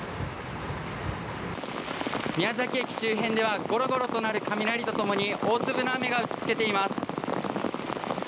宮崎駅周辺ではゴロゴロと鳴る雷と共に大粒の雨が打ち付けています。